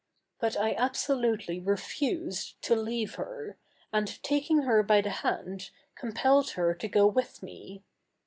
But I absolutely refused to leave her, and, taking her by the hand, compelled her to go with me.